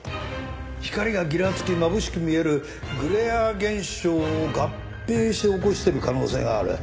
光がぎらつきまぶしく見えるグレア現象を合併して起こしている可能性がある。